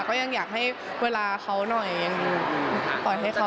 ก็ยังอยากให้เวลาเขาหน่อยปล่อยให้เขา